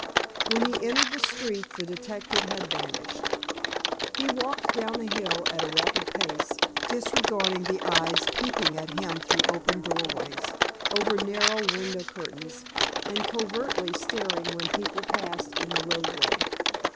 When he entered the street the detective had vanished. He walked down the hill at a rapid pace, disregarding the eyes peeping at him through open doorways, over narrow window curtains, and covertly staring when people passed in the roadway.